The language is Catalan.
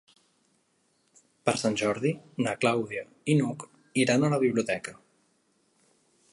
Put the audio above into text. Per Sant Jordi na Clàudia i n'Hug iran a la biblioteca.